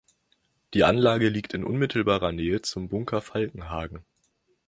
Die Anlage liegt in unmittelbarer Nähe zum Bunker Falkenhagen.